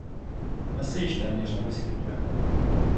Dnes se již téměř nevyskytuje.